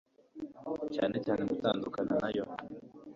cyane cyane gutandukana nayo